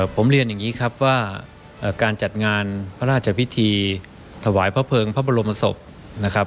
ผมเรียนอย่างนี้ครับว่าการจัดงานพระราชพิธีถวายพระเภิงพระบรมศพนะครับ